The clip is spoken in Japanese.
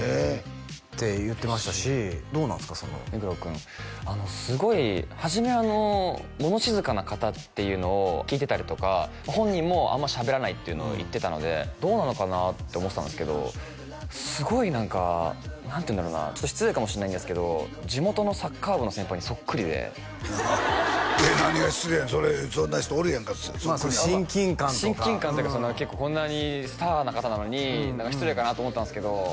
君すごい初め物静かな方っていうのを聞いてたりとか本人もあんましゃべらないっていうのを言ってたのでどうなのかなって思ってたんですけどすごい何か何ていうんだろうな失礼かもしれないんですけど地元のサッカー部の先輩にそっくりで何が失礼やねんそんな人おるやんかまあ親近感とか親近感というか結構こんなにスターな方なのに失礼かなと思ったんですけど